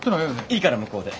いいから向こうで。